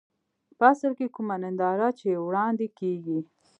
په اصل کې کومه ننداره چې وړاندې کېږي.